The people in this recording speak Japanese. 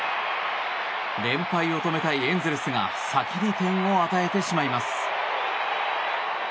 連敗を止めたいエンゼルスが先に点を与えてしまいます。